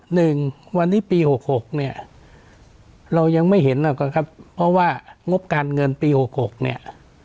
หนึ่งวันนี้ปีหกหกเนี่ยเรายังไม่เห็นหรอกครับเพราะว่างบการเงินปีหกหกเนี่ย